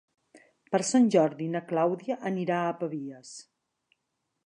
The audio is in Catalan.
Per Sant Jordi na Clàudia anirà a Pavies.